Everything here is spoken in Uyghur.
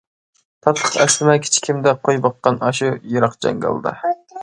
تاتلىق ئەسلىمە كىچىكىمدە قوي باققان، ئاشۇ يىراق جاڭگالدا.